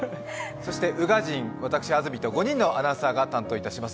そして宇賀神、私・安住と５人のアナウンサーが担当いたします。